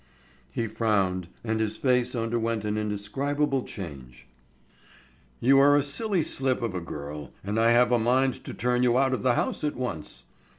He frowned, and his face underwent an indescribable change. "You are a silly slip of a girl and I have a mind to turn you out of the house at once.